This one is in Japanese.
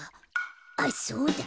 あっそうだ。